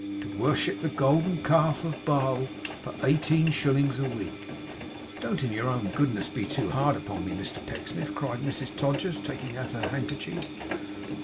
To worship the golden calf of Baal, for eighteen shillings a week!' 'Don't in your own goodness be too hard upon me, Mr Pecksniff,' cried Mrs Todgers, taking out her handkerchief.